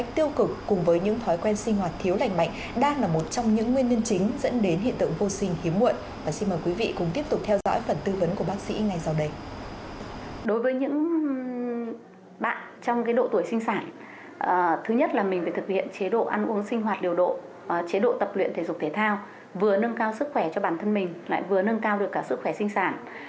trong độ tuổi sinh sản thứ nhất là mình phải thực hiện chế độ ăn uống sinh hoạt điều độ chế độ tập luyện thể dục thể thao vừa nâng cao sức khỏe cho bản thân mình lại vừa nâng cao được cả sức khỏe sinh sản